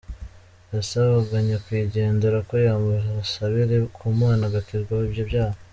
Yasabaga nyakwigendera ko yamusabira ku Mana agakizwa ibyo byaha.